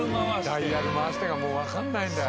「ダイヤル回して」がもうわかんないんだよ。